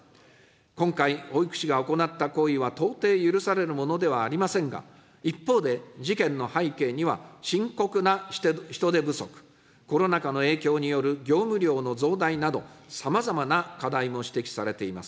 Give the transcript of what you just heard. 今回、保育士が行った行為は到底許されるものではありませんが、一方で、事件の背景には、深刻な人手不足、コロナ禍の影響による業務量の増大など、さまざまな課題も指摘されています。